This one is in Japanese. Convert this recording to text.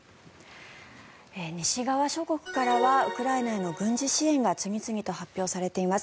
西側諸国からはウクライナへの軍事支援が次々と発表されています。